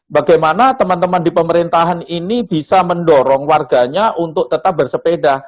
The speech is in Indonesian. bagaimana teman teman di pemerintahan ini bisa mendorong warganya untuk tetap bersepeda